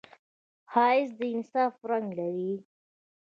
ښایست د انصاف رنګ لري